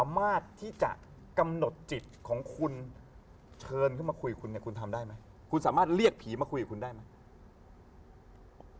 มาคุยกับคุณเนี่ยคุณทำได้ไหมคุณสามารถเรียกผีมาคุยกับคุณได้ไหม